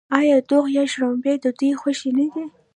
آیا دوغ یا شړومبې د دوی خوښ نه دي؟